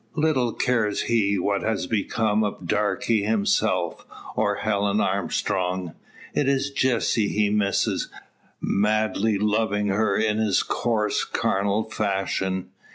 Little cares he what has become of Darke himself, or Helen Armstrong. It is Jessie he misses; madly loving her in his course carnal fashion.